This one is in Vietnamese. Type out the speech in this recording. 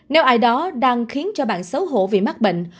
nếu ai đó đang khiến cho bạn xấu hổ vì mắc bệnh